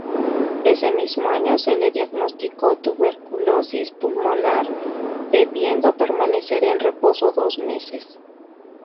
Ese mismo año se le diagnosticó tuberculosis pulmonar, debiendo permanecer en reposo dos meses.